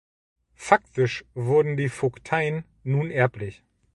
Faktisch wurden die Vogteien nun erblich.